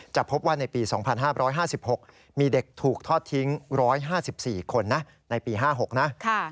จะพบว่าในปี๒๕๕๖มีเด็กถูกทอดทิ้ง๑๕๔คนนะในปี๕๖นะ